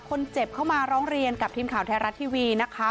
คนเจ็บเข้ามาร้องเรียนกับทีมข่าวไทยรัฐทีวีนะคะ